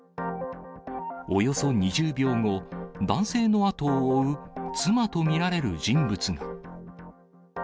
およそ２０秒後、男性の後を追う妻と見られる人物が。